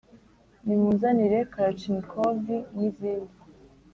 nimunzanire karachnikovi n'izindi